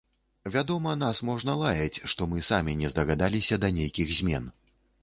Вядома, нас можна лаяць, што мы самі не здагадаліся да нейкіх змен.